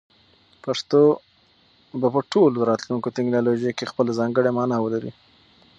پښتو به په ټولو راتلونکو ټکنالوژیو کې خپله ځانګړې مانا ولري.